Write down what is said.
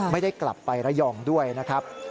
ไม่ได้กลับไประยองด้วยนะครับ